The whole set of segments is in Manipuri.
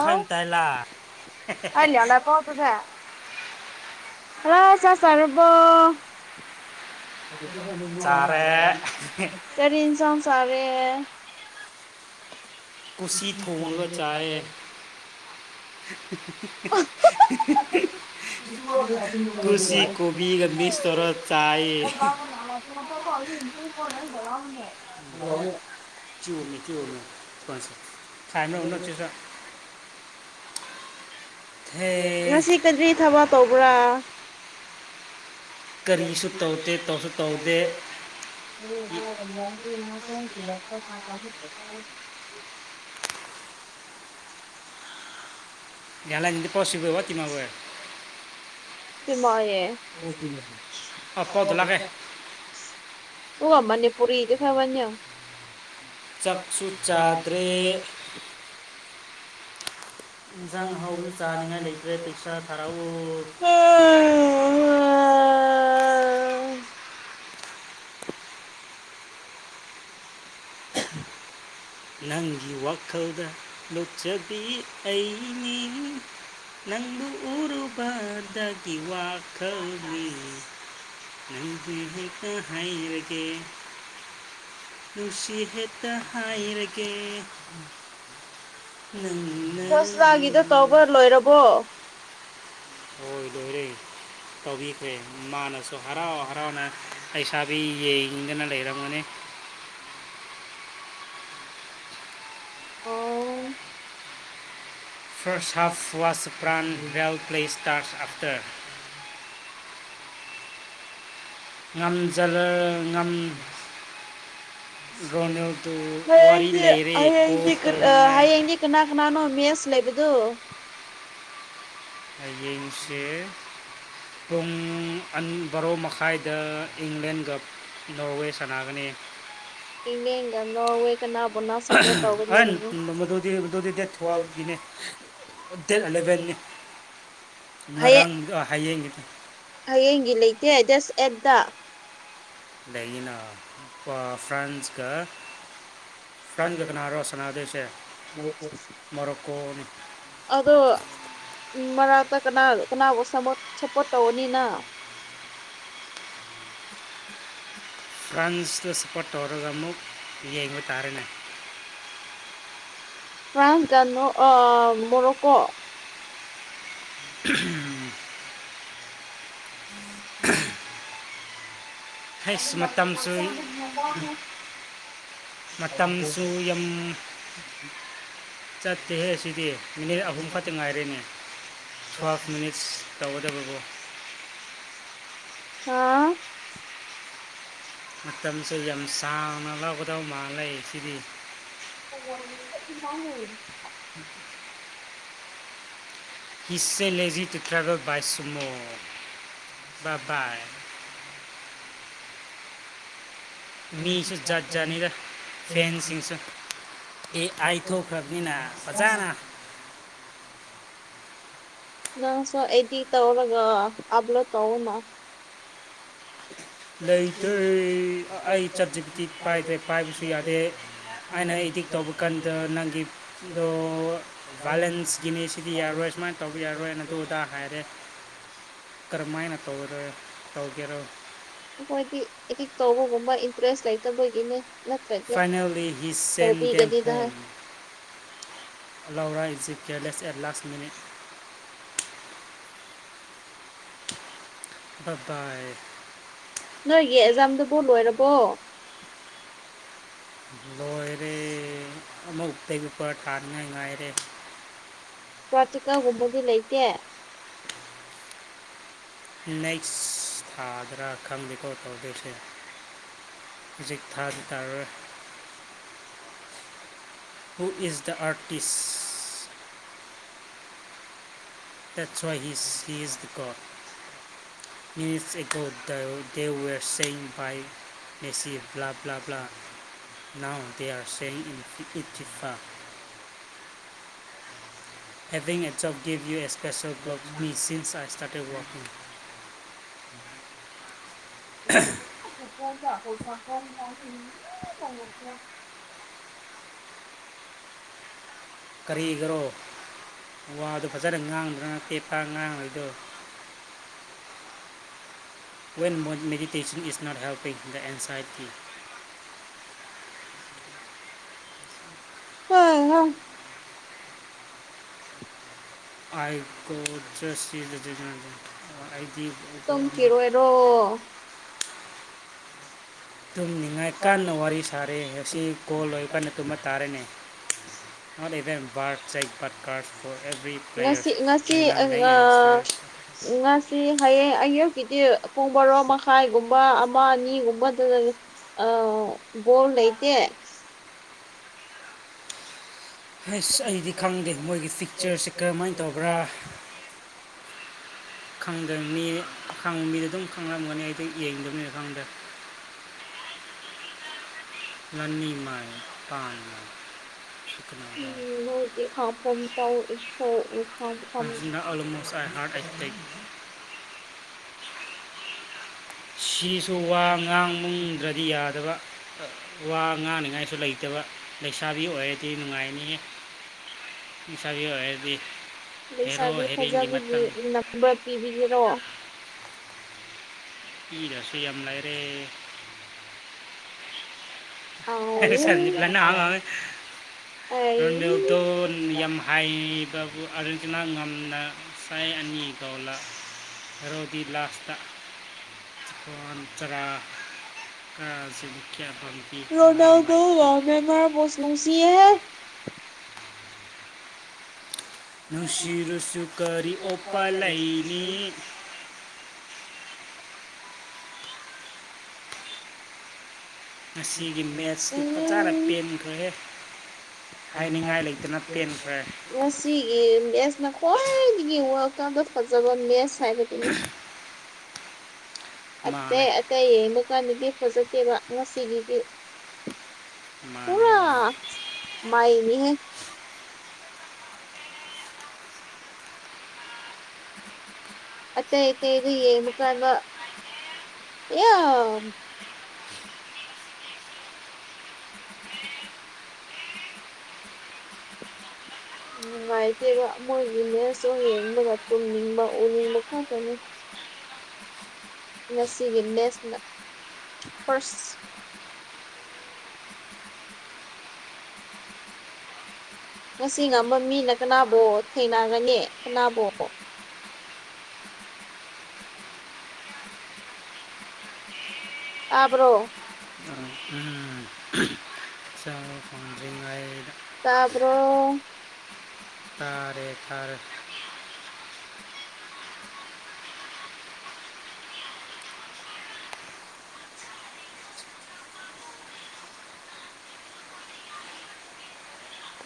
ꯑꯣ ꯑ ꯑ ꯀ ꯍ ꯆ ꯆꯔꯕꯣ ꯆꯥꯔꯦ ꯐꯔꯤ ꯏꯟꯁꯥꯟ ꯁꯔꯦ ꯍꯥꯏ ꯄꯨꯁꯤ ꯊꯣꯡꯅ ꯆꯥꯌꯦ [unintelligible] ꯀꯣꯕꯤꯒ ꯃꯤꯛꯁ ꯇꯧꯔ ꯆꯥꯏ [inaudible] [unintelligible] [unintelligible] ꯊꯦ ꯉꯁꯤ ꯀꯔꯤ ꯊꯕꯛ ꯇꯧꯕ꯭ꯔꯥ ꯀꯔꯤꯁꯨ ꯇꯧꯗꯦ ꯇꯧꯁꯨ ꯇꯧꯗꯦ [unintelligible] [unintelligible] ꯑꯄꯥꯎꯗ ꯂꯥꯛꯑꯦ [unintelligible] [unintelligible] ꯃꯅꯤꯄꯨꯔꯤꯗꯤ [unintelligible] ꯆꯥꯛꯁꯨ ꯆꯥꯗ꯭ꯔꯦ ꯌꯦꯟꯖꯥꯡ ꯑꯍꯥꯎꯒꯤ ꯆꯥꯅꯤꯡꯉꯥꯏ ꯂꯩꯇ꯭ꯔꯦ ꯄꯩꯁꯥ ꯊꯥꯔꯛꯎ [inaudible] ꯅꯪꯒꯤ ꯋꯥꯈꯜꯗ ꯂꯣꯛꯆꯕꯤ ꯑꯩꯅꯤ ꯅꯪꯕꯨ ꯎꯔꯕꯗꯒꯤ ꯋꯥꯈꯜꯅꯤ ꯅꯨꯡꯁꯤ ꯍꯛꯇ ꯍꯥꯏꯔꯒꯦ ꯅꯨꯡꯁꯤ ꯍꯛꯇ ꯍꯥꯏꯔꯒꯦ [unintelligible] ꯅꯪꯅ [unintelligible] ꯐꯥꯁꯂꯥꯒꯤꯗꫭ ꯇꯧꯕ ꯂꯣꯏꯔꯕꯣ ꯍꯣꯏ ꯂꫭꯏꯔꯦ ꯇꯧꯕꯤꯈ꯭ꯔꯦ ꯃꯥꯅꯁꯨ ꯍꯔꯥꯎ ꯍꯔꯥꯎꯅ ꯄꯩꯁꯥꯕꯤ ꯌꯦꯡꯗꯅ ꯂꯩꯔꯝꯒꯅꯤ ꯑꯣ ꯐꯔꯁ ꯍꯥꯞ ꯋꯥꯁ ꯄ꯭ꯔꯥꯟ ꯕꯦꯜ ꯄ꯭ꯂꯦ ꯏꯁꯇꯥꯔꯁ ꯑꯞꯇꯔ ꯉꯝꯖꯂ ꯉꯝ [unintelligible] ꯔꯣꯅꯦꯜꯗꯣ [unintelligible] ꯋꯥꯔꯤ ꯍꯌꯦꯡꯗꯤ ꯂꯩꯔꯦ ꯀꯣꯜ ꯍꯌꯦꯡꯗꯤ ꯀꯥ ꯇꯧꯅꯤꯡꯉꯥꯏ ꯍꯌꯦꯡꯗꯤ ꯀꯅꯥ ꯀꯅꯥꯅꫭ ꯃꯦꯁ ꯂꯩꯕꯗꫭ ꯍꯌꯦꯡꯁꯦ ꯄꯨꯡ ꯕꯥꯔꯣ ꯃꯈꯥꯏꯗ ꯏꯪꯂꯦꯟꯒ ꯅ꯭ꫭꯔꯋꯦ ꯁꯥꯟꯅꯒꯅꯤ ꯏꯤꯟꯂꯦꯟꯒ ꯅꯣ꯭ꯔꯋꯦ ꯀꯅꯥꯕꯨꯅꫭ ꯁꯥꯞꯄꯣꯠ ꯇꯧꯒꯅꯤ ꯗꯦꯠ ꯑꯦꯂꯚꯦꯟꯅꯤ ꯍꯌꯦꯡ ꯉꯔꯥꯡ ꯍꯌꯦꯡꯒꯤꯗ ꯍꯌꯦꯡꯒꯤ ꯂꯩꯇꯦ ꯖꯁ ꯑꯦꯠ ꯗ ꯂꯩꯌꯦꯅ ꯑꯥ ꯐ꯭ꯔꯥꯟꯁꯒ ꯐ꯭ꯔꯥꯟꯁꯒ ꯀꯅꯥꯔꫭ ꯁꯥꯟꯅꯗꯣꯏꯁꯦ ꯃꯔꯣꯀꯣꯅꯤ ꯑꯗꯣ ꯎꯝ ꯃꯔꯥꯛꯇ ꯀꯅꯥ ꯀꯅꯥꯕꯨ ꯁꯥꯞꯄꯣꯠ ꯇꯧꯒꯅꯤ ꯅꯪ ꯐ꯭ꯔꯥꯟꯁꯗ ꯁꯥꯞꯄꯔ ꯇꯧꯔꯒ ꯑꯃꯨꯛ ꯌꯦꯕ ꯇꯥꯔꯅꯦ ꯐ꯭ꯔꯥꯟꯁꯀꯥ ꯅꫭꯛ ꯑꯥ ꯃꯣꯔꯣꯀꯣ [unintelligible] ꯍꯥꯏꯁ ꯃꯇꯝꯁꯨ ꯃꯇꯝꯁꯨ ꯌꯥꯝ ꯆꯠꯇꯦꯍꯦ ꯑꯁꯤꯗꯤ ꯃꯤꯅꯤꯠ ꯑꯍꯨꯝ ꯈꯛꯇ ꯉꯥꯏꯔꯦꯅꯦ ꯇꯨꯌꯦꯞ ꯃꯤꯅꯤꯠꯁ ꯇꯧꯒꯗꯨꯕꯕꯨ ꯍꯥ ꯃꯇꯝꯁꯦ ꯌꯥꯝ ꯁꯥꯡꯅ ꯂꯧꯒꯗꯧ ꯃꯥꯜꯂ ꯁꯤꯗꯤ [unintelligible] ꯍꯁꯦ ꯂꯩꯖꯤ ꯇꯨ ꯇ꯭ꯔꯥꯕꯦꯜ ꯕꯥꯥꯏ ꯁꯨꯝꯃꯣ ꯕꯥꯕꯥꯏ ꯃꯤꯁꯨ ꯖꯥꯠ ꯖꯠꯅꯤꯗ ꯐꯦꯟꯁꯤꯡꯁꯨ ꯑꯦ ꯑꯥꯏ ꯊꯣꯛꯈ꯭ꯔꯕꯅꯤꯅ ꯐꯖꯅ ꯅꯪ ꯁꯨ ꯑꯦꯗꯤ ꯇꯧꯔꯒ ꯍꯥꯕ꯭ꯂꯣꯞ ꯇꯧꯋꯦꯅꯥ [inaudible] ꯂꯩꯇ꯭ꯔꯦ ꯑꯩ ꯆꯠ ꯖꯤ ꯕꯤ ꯗꯤ ꯄꯥꯏꯗ꯭ꯔꯦ ꯄꯥꯏꯕꯁꯨ ꯌꯥꯗꯦ ꯑꯩꯅ ꯏꯗꯤꯛ ꯇꯧꯕ ꯀꯥꯟꯗ ꯅꯪꯒꯤꯗꯣ ꯚꯥꯏꯂꯦꯟꯁꯀꯤꯅꯤ ꯁꯤꯗꯤ ꯌꯥꯔꯣꯏ ꯁꯨꯃꯥꯏꯅ ꯇꯧꯕ ꯌꯥꯔꯣꯏꯅ ꯑꯗꯨ ꯑꯗꯥ ꯍꯥꯏꯔꯦ [unintelligible] ꯀꯔꯝꯍ ꯍꯥꯏꯥꯏꯅ ꯇꯧꯒꯔ ꯇꯧꯒꯦꯔꯣꯏ ꯑꯩꯈꯣꯏꯗꯤ ꯏꯗꯤꯛ ꯇꯧꯕꯒꯨꯝꯕ ꯏꯟꯇꯔꯦꯁ ꯂꯩꯇꯕꯒꯤꯅꯦ ꯅꯠꯇ꯭ꯔꯗꯤ ꯐꯥꯏꯅꯦꯜꯂꯤ ꯍꯤ ꯁꯦꯟ ꯁꯇꯔꯗꯤ ꯗꯦꯝ ꯀꯇꯤꯀꯇꯤ ꯗꯥꯏ ꯍꯂꯥꯎꯔꯥ exit careless at last minute ꯗꯥꯏ ꯅꯣꯏ ꯌꯦꯖꯥꯝꯗꯕꯨꯣ ꯂꯣꯏꯔꯕꯣ ꯂꯣꯏꯔꯦ ꯑꯃ ꯎꯛꯇꯒꯤꯄꯔ ꯊꯥꯅꯤꯡꯉꯥꯏ ꯉꯥꯏꯔꯦ ꯄꯋꯥꯇꯤꯀ ꯍꯣꯃꯗꯤ ꯂꯩꯇꯦ ꯅꯦꯛꯁ ꯊꯥꯗ꯭ꯔꯥ ꯈꯪꯅꯤꯀꯣ ꯇꯧꯗꯣꯏꯁꯦ ꯍꯧꯖꯤꯛ ꯊꯥꯗꯤ ꯇꯥꯔꯔꯣꯏ ꯍꯨ ꯏꯖ ꯗ ꯑꯥꯔꯇꯤꯁ ꯇꯠꯁꯏ ꯍꯥꯏ ꯏ ꯍꯤꯁꯤꯁ ꯀꫭ ꯄ꯭ꯂꯤꯁ ꯑꯦꯒꯣ ꯗꯣ ꯗꯦ ꯋꯦꯔ ꯁ ꯕꯥꯏ Messi love love love now there saying in ꯐꯤꯀꯤꯛ FIFA having ꯑꯦꯠꯖꯕ ꯒꯤꯞ ꯌꯨ ꯑꯦ ꯏꯁꯄ꯭ꯔꯦꯁꯣ ꯒ꯭ꯂꯣꯞ ꯃꯤ ꯁꯤꯟꯁ ꯏꯁꯇꯥꯔꯇꯦꯁ ꯋꯥꯋꯁꯅꯤ [inaudible] ꯁꯁꯟ ꯎꯠ ꯆ ꯆ ꯀꯔꯤꯒꯔꯣ ꯋꯥꯗꯣ ꯐꯖꯅ ꯉꯥꯡꯗ꯭ꯔꯅ ꯄꯦꯄ ꯉꯥꯡꯉꯏꯗꯣ when meditation is not helping the anxiety um I ꯀꯣ ꯆꯁꯤ ꯂꯩꯗꯅ ꯑꯩꯗꯤ ꯀꯣ ꯑꯃ ꯇꯨꯡꯁꯤꯤꯔꯣꯏꯔꯣ ꯇꯨꯝꯅꯤꯡꯉꯥꯏ ꯀꯥꯟꯟꯅ ꯋꯥꯔꯤ ꯁꯥꯔꯦ ꯉꯁꯤ ꯀꯣꯜ ꯂꯣꯏꯔ ꯀꯥꯟ ꯑꯗꯨ ꯇꯥꯔꯦꯅꯦ ꯑꯣ ꯏꯚꯦꯟ ꯕꯥ ꯀꯥꯔ ꯐꫭꯔ ꯑꯦꯕ꯭ꯔꯤ ꯄ꯭ꯂꯦꯌꯔ ꯉꯁꯤ ꯉꯁꯤ ꯑꯩꯅ ꯃꯦꯛ ꯑꯦ ꯉꯁꯤ ꯍꯌꯦꯡ ꯑꯌꯨꯛꯀꯤꯗꯤ ꯄꯨꯡ ꯃꯔꯣꯔꯣ ꯃꯈꯥꯏꯒꯨꯝꯕ ꯑꯃ ꯑꯅꯤꯒꯨꯝꯕꯗ ꯑ ꯣꯜ ꯂꯩꯇꯦ ꯐꯁ ꯑꯩꯗꯤ ꯈꯪꯗꯦ ꯃꯣꯏꯒꯤ ꯐꯤꯛꯆꯔꯁꯦ ꯀꯔꯝꯍꯥꯏꯅ ꯇꯧꯕ꯭ꯔꯥ ꯈꯪꯗ ꯃꯤ ꯈꯪ ꯃꯤꯗ ꯑꯗꯨꯝ ꯈꯪꯉꯝꯒꯅꯤ ꯑꯩꯗ ꯌꯦꯡꯗꯕꯅꯤ ꯈꯪꯗ꯭ꯔꯦ ꯂꯅꯤꯃꯥꯏ ꯇꯥꯟ ꯎꯝ ꯍꯧꯗꯤ ꯊꯥꯎ ꯀꯕꯤꯇꯥ ꯐꯦ ꯍꯅ ꯑꯣꯜꯃꯣꯁ ꯍꯥꯏ ꯍꯥꯠ ꯑꯦꯇ ꯁꯤꯁꯨ ꯋꯥ ꯉꯥꯡꯕꯝꯗ꯭ꯔꯗꯤ ꯌꯥꯗꯕ ꯋꯥ ꯉꯥꯡꯅꯤꯉꯥꯏꯁꯨ ꯂꯩꯇꯕ ꯂꯩꯁꯥꯕꯤ ꯑꯣꯏꯔꯗꯤ ꯅꯨꯡꯉꯥꯏꯅꯤꯦ ꯏꯁꯥꯕꯤ ꯑꯣꯏꯗꯤ ꯂꯩꯁꯥꯒꯤ ꯐꯖꯕꯒꯤ ꯅꯝꯕꯔ ꯄꯤꯕꯤꯒꯔꯣꯑꯣ ꯏꯤꯗꯁꯨ ꯌꯥꯝ ꯂꯩꯥꯏꯔꯦ ꯆꯅꯤꯄꯂꯅꯃ ꯑꯩ ꯑꯔꯟꯣꯗꯣ ꯌꯥꯝ ꯍꯥꯏꯕꯕꯨ ꯑꯥꯔꯦꯟꯇꯤꯅꯥ ꯉꯝꯅ ꯆꯥꯏ ꯑꯅꯤꯒꯣꯂꯥ ꯔꯔꯣꯗꯤ ꯂꯥꯁꯇ ꯅ ꯇꯔ ꯁꯤꯖꯤ ꯀꯌꯥꯕ ꯔꯣꯗꯜꯗꯣ ꯄꯥꯝꯃ‌ꯦ ꯃꯥꯕꯨ ꯄꯣꯁ ꯅꯨꯡꯁꯤꯍꯦ ꯅꯨꯡꯁꯤꯔꯨꯁꯨ ꯀꯔꯤ ꯑꯣꯄꯥ ꯂꯩꯅꯤ꯫ ꯉꯁꯤꯒꯤ ꯃꯦꯠꯁꯇꯨ ꯐꯖꯅ ꯎꯝ ꯄꯦꯟꯈ꯭ꯔꯦ ꯍꯥꯏꯅꯤꯡꯉꯥꯏ ꯂꯩꯇꯅ ꯇꯦꯟꯈ꯭ꯔꯦ ꯉꯁꯤꯒꯤ ꯃꯦꯁꯅ ꯈ꯭ꯋꯥꯏꯗꯒꯤ ꯋꯥꯔꯥꯛꯇꯥꯛꯗ ꯐꯖꯕ ꯃꯦꯁ ꯍꯥꯏꯕꯗꯨꯅꯤ ꯃꯥꯅꯦ ꯑꯇꯩ ꯑꯇꯩ ꯌꯦꯡꯕ ꯀꯥꯟꯗꯗꯤ ꯐꯖꯗꯦꯕ ꯉꯁꯤꯒꯤꯗꯤ ꯃꯥꯅꯦ ꯄꯨꯨꯡꯔ ꯃꯥꯅꯦ ꯃꯥꯏꯅꯤ ꯑꯇꯩ ꯑꯇꯩꯗ ꯌꯦꯡꯕꯀꯥꯟꯗ ꯏꯌꯥꯝ ꯅꯨꯡꯉꯥꯏꯇꯦꯕ ꯃꯣꯏꯒꯤ ꯃꯦꯁꯁꯣ ꯌꯦꯡꯕꯗ ꯇꯨꯝꯅꯤꯡꯕ ꯎꯅꯤꯡꯕ ꯈꯪꯇꯅꯦ ꯉꯁꯤꯒꯤ ꯃꯦꯁꯅ ꯐꯥꯔ꯭ꯁ ꯉꯁꯤ ꯉꯝꯕ ꯃꯤꯅ ꯀꯅꯥꯕꯣ ꯊꯦꯡꯅꯒꯅꯤ ꯀꯅꯥꯕꯣ ꯇꯥꯕ꯭ꯔꯣ [unintelligible] ꯇꯥꯕ ꯐꯪꯗ꯭ꯔꯤꯉꯩ ꯇꯕ꯭ꯔꯣ ꯇꯥꯔꯦ ꯇꯥꯔꯦ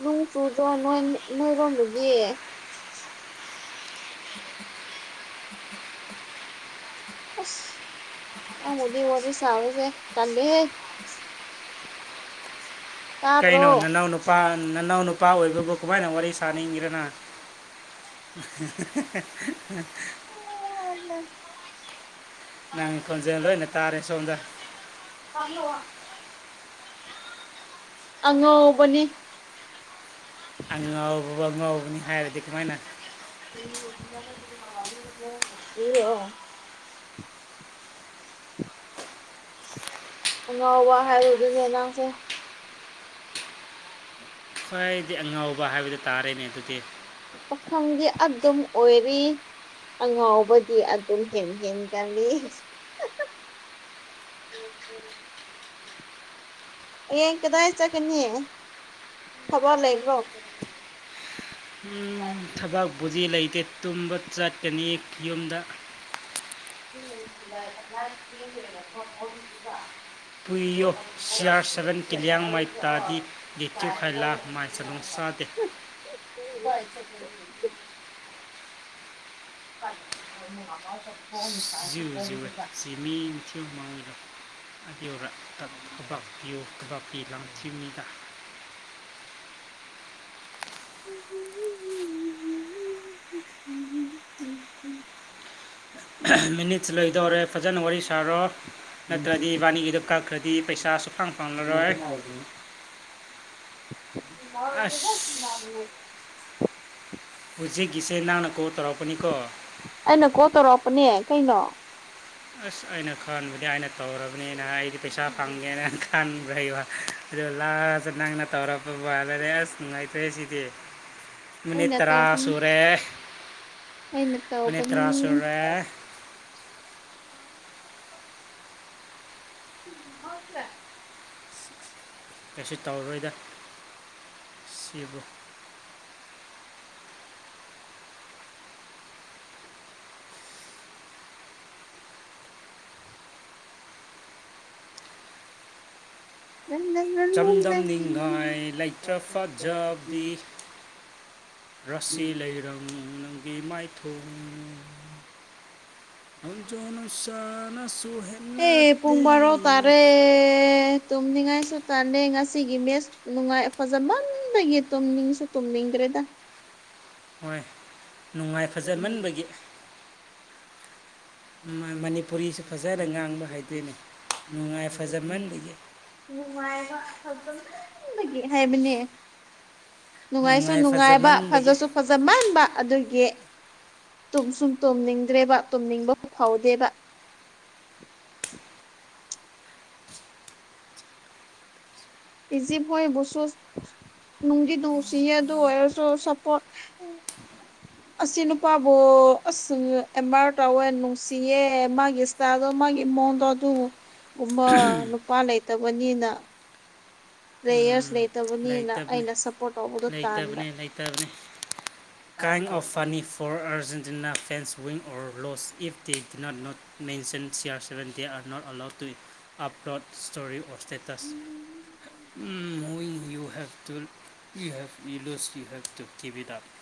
ꯅꯣꯡ ꯆꯨꯗ꯭ꯔꯣ ꯅꯣ ꯅꯣꯏꯔꯣꯝꯗꯗꯤ ꯑꯁ ꯅꯪ ꯍꯧꯖꯤꯛ ꯋꯥꯔꯤ ꯁꯥꯥꯕꯖꯦ ꯇꯜꯂꯦꯍꯦ ꯇꯕ꯭ꯔꯣ ꯀꯩꯅꯣ ꯅꯅꯥꯎ ꯅꯨꯄꯥ ꯅꯅꯥꯎ ꯅꯨꯄꯥ ꯑꯣꯏꯕꯕꯨ ꯀꯃꯥꯏꯅ ꯋꯥꯔꯤ ꯁꯥꯅꯤꯡꯉꯤꯔꯅ [unintelligible] [inaudible] [unintelligible] ꯅꯪ ꯈꯣꯟꯖꯦꯜ ꯂꯣꯏꯅ ꯇꯥꯔꯦ ꯁꯣꯝꯗ [unintelligible] ꯑꯉꯧꯕꯅꯤ ꯑꯉꯥꯎꯕ ꯉꯥꯎꯕꯅꯤ ꯍꯥꯏꯔꯗꯤ ꯀꯃꯥꯏꯅ ꯂꯤꯔꯛꯑꯣ ꯑꯉꯥꯎꯕ ꯍꯥꯏꯕꯗꯨꯅꯦ ꯅꯪꯁꯦ ꯈ꯭ꯋꯥꯏꯗꯤ ꯑꯉꯥꯎꯕ ꯍꯥꯏꯕꯗꯨ ꯇꯥꯔꯦꯅꯦ ꯑꯗꯨꯗꯤ ꯄꯥꯈꯪꯗꯤ ꯑꯗꯨꯝ ꯑꯣꯏꯔꯤ ꯑꯉꯥꯎꯕꯗꯤ ꯑꯗꯨꯝ ꯍꯦꯟ ꯍꯦꯟꯒꯠꯂꯤ ꯌꯝ ꯐꯩ ꯍꯌꯦꯡ ꯀꯗꯥꯏ ꯆꯠꯀꯥꯅꯤ ꯊꯕꯛ ꯂꯩꯕ꯭ꯔꯣ ꯎꯝ, ꯊꯕꯛꯄꯨꯗꯤ ꯂꯩꯇꯦ ꯇꯨꯝꯕ ꯆꯠꯀꯅꯤ ꯌꯨꯝꯗ [unintelligible] [unintelligible] [unintelligible] ꯃꯥꯃꯥꯏꯗ [unintelligible] [unintelligible] [unintelligible] ꯐꯖꯟ ꯋꯥꯔꯤ ꯁꯥꯔꯣ ꯅꯠꯇꯔꯥꯗꯤ ꯏꯕꯥꯅꯤ [unintelligible] [unintelligible] [unintelligible] ꯍꯨꯖꯤꯛꯒꯤꯁꯦ ꯅꯪꯅ ꯀꯣꯜ ꯇꯧꯔꯥꯛꯄꯅꯤꯀꯣ ꯑꯩꯅ ꯀꯣꯜ ꯇꯧꯔꯛꯄꯅꯦ ꯀꯩꯅꯣ ꯑꯁ ꯑꯩꯅ ꯈꯟꯕꯗꯤ ꯑꯩꯅ ꯇꯧꯔꯕꯅꯤꯅ ꯑꯩꯗꯤ ꯄꯩꯁꯥ ꯐꯪꯒꯦꯅ ꯈꯟꯕ꯭ꯔꯩꯕ ꯑꯗꯨ ꯂꯥꯁꯇ ꯅꯪꯅ ꯇꯧꯔꯛꯄ ꯋꯥꯅꯤꯗ ꯑꯁ ꯅꯨꯡꯉꯥꯏꯇ꯭ꯔꯦ ꯁꯤꯗꯤ ꯃꯅꯤꯠ ꯑꯩꯅ ꯇ꯭ꯔꯥ ꯇꯧꯔꯛꯄꯅꯤ ꯁꯨꯔꯦ ꯑꯩꯅ ꯃꯅꯤꯠ ꯇ꯭ꯔꯥ ꯇꯧꯕꯅꯤ ꯁꯨꯔꯦ [unintelligible] ꯀꯩꯁꯨ ꯇꯧꯔꯣꯏꯗ ꯁꯤꯕꯨ ꯆꯝꯗꯝ ꯅꯤꯡꯉꯥꯏ ꯂꯩꯇ꯭ꯔ ꯐꯖꯕꯤ ꯔꯁꯤ ꯂꯩꯔꯝ ꯅꯪꯒꯤ ꯃꯥꯏꯊꯣꯡ ꯅꯣꯡꯗꯣꯟ ꯅꯨꯡꯁꯥꯅꯁꯨ ꯍꯦꯟ ꯑꯦ ꯄꯨꯡ ꯕꯥꯔꯣ ꯇꯥꯔꯦ ꯇꯨꯝꯅꯤꯡꯉꯥꯏꯁꯨ ꯇꯥꯟꯂꯦ ꯉꯁꯤꯒꯤ ꯃꯦꯁ ꯅꯨꯡꯉꯥꯏ ꯐꯖꯃꯟꯕꯒꯤ ꯇꯨꯝꯅꯤꯡꯁꯨ ꯇꯨꯝꯅꯤꯡꯗ꯭ꯔꯦꯗ [inaudible] ꯍꯣꯏ ꯅꯨꯡꯉꯥꯏ ꯐꯖꯃꯟꯕꯒꯤ ꯃꯅꯤꯄꯨꯔꯤꯁꯨ ꯐꯖꯅ ꯉꯥꯡꯕ ꯍꯩꯏꯇꯦꯅꯦ ꯅꯨꯡꯉꯥꯏ ꯐꯖꯃꯟꯕꯒꯤ ꯅꯨꯡꯉꯥꯏꯕ ꯐꯖꯃꯟꯕꯒꯤ ꯍꯥꯏꯕꯅꯦ ꯅꯨꯡꯉꯥꯏ ꯐꯖꯃꯟꯕꯒꯤ ꯎꯝ, ꯂꯩꯇꯕꯅꯤ ꯂꯩꯇꯕꯅꯤ ꯅꯨꯡꯉꯥꯏꯁꯨ ꯅꯨꯡꯉꯥꯏꯕ ꯐꯖꯁꯨ ꯐꯖ ꯃꯥꯟꯕ ꯑꯗꯨꯒꯤ ꯇꯨꯝꯁꯨ ꯇꯨꯝꯅꯤꯡꯗ꯭ꯔꯦꯕ ꯇꯣꯝꯅꯤꯡꯕ ꯐꯥꯎꯗꯦꯕ ꯏꯖꯤꯕꯨꯁꯨꯁ ꯅꯨꯡꯗꯤ ꯅꯨꯡꯁꯤꯌ‌ꯦ ꯑꯗꯨ ꯑꯣꯏꯁꯨ ꯁꯄꯣꯔꯠ꯫ ꯑꯁꯤ ꯅꯨꯄꯥꯕꯨ ꯑꯁ ꯑꯦꯝꯕꯥꯥꯔ ꯇꯧꯋꯦ ꯅꯨꯡꯁꯤꯌꯦ ꯃꯥꯒꯤ [unintelligible] ꯃꯥꯒꯤ ꯏꯃꯣꯟꯗꯣ ꯑꯗꯨꯝ ꯒꯨꯝꯕ ꯅꯨꯄꯥ ꯂꯩꯇꯕꯅꯤꯅ ꯏꯅꯇꯔꯦꯁ ꯂꯩꯇꯕꯅꯤꯅ ꯑꯩꯅ ꯁꯞꯄꯣꯔꯠ ꯇꯧꯕꯗꯣ ꯇꯥꯟꯕ ꯇ [inaudible] [unintelligible] four Argentina fan win or loss if they do not no mention CR seven are not allowed to update story of estates [inaudible] [unintelligible]